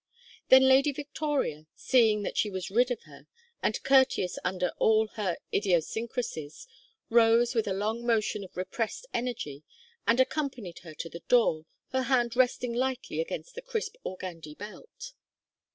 Then Lady Victoria, seeing that she was rid of her, and courteous under all her idiosyncrasies, rose with a long motion of repressed energy and accompanied her to the door, her hand resting lightly against the crisp organdie belt.